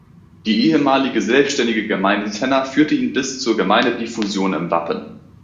Die ehemalige selbstständige Gemeinde Tenna führte ihn bis zur Gemeindefusion im Wappen.